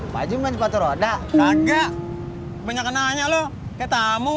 baju baju roda enggak banyak nanya lo ke tamu